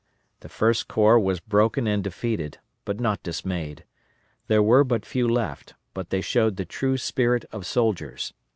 The First Corps was broken and defeated, but not dismayed. There were but few left, but they showed the true spirit of soldiers.